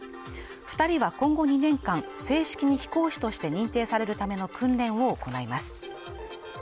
２人は今後２年間、正式に飛行士として認定されるための訓練を行います。